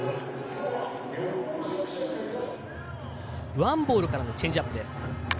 ワンボールからのチェンジアップです。